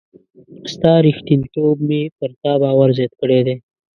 ستا ریښتینتوب مي پر تا باور زیات کړی دی.